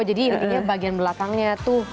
oh jadi ini bagian belakangnya tuh